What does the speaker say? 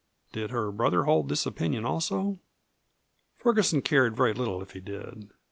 Did her brother hold this opinion also? Ferguson cared very little if he did.